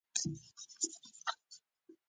نړیوال تړونونه د ډیپلوماتیکو خبرو اترو پایله وي